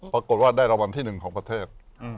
ปรากฏว่าได้รางวัลที่๑ของประเทศ